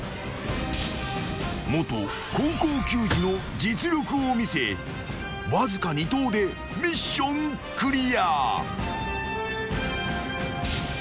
［元高校球児の実力を見せわずか２投でミッションクリア］